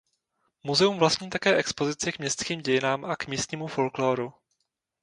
Muzeum vlastní také expozici k městským dějinám a k místnímu folklóru.